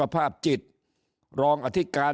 ถ้าท่านผู้ชมติดตามข่าวสาร